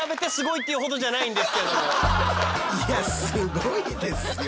いやすごいですよ。